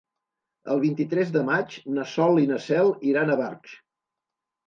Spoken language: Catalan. El vint-i-tres de maig na Sol i na Cel iran a Barx.